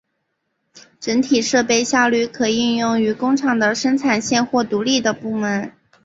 整体设备效率可应用于工厂的生产线或独立的部门。